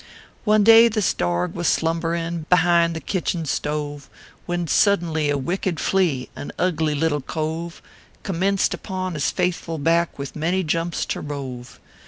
One day this dorg was slumberin Behind the kitchen stove, When suddenly a wicked flea An ugly little cove .Commenced upon his faithful back With many jumps to rove.